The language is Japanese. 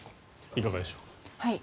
いかがでしょう。